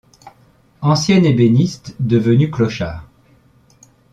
Ancien ébéniste devenu clochard.